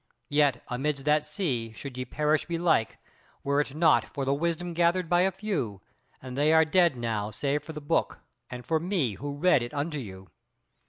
Yet amidst that sea should ye perish belike, were it not for the wisdom gathered by a few; and they are dead now save for the Book, and for me, who read it unto you.